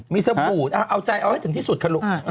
มีสบู่เอาใจเอาให้ถึงที่สุดค่ะลูก